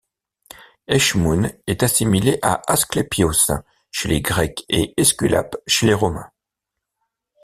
Eshmoun est assimilé à Asclépios chez les Grecs et Esculape chez les Romains.